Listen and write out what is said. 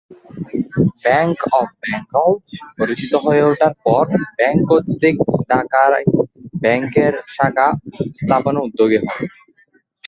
Bank of Bengal সুপরিচিত হয়ে ওঠার পর ব্যাঙ্ক কর্তৃপক্ষ ঢাকায় ব্যাঙ্কের শাখা স্থাপনে উদ্যোগী হন।